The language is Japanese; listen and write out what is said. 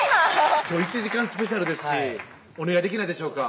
今日１時間スペシャルですしお願いできないでしょうか